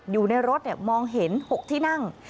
อยู่ในรถมองเห็น๖ที่นั่ง